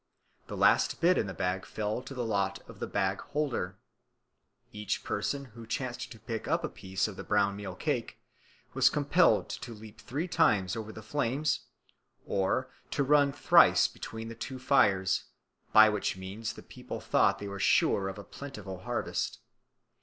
The last bit in the bag fell to the lot of the bag holder. Each person who chanced to pick up a piece of brown meal cake was compelled to leap three times over the flames, or to run thrice between the two fires, by which means the people thought they were sure of a plentiful harvest.